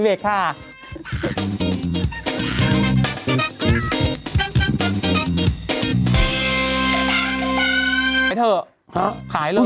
กล้วยด่างกล้วยด่างขายเถอะ